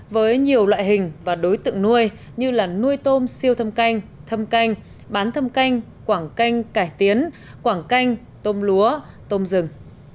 với nhiều loại hình và đối tượng nuôi như nuôi tôm siêu thâm canh thâm canh bán thâm canh quảng canh cải tiến quảng canh tôm lúa tôm rừng